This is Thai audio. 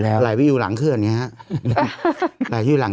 โทษทีน้องโทษทีน้อง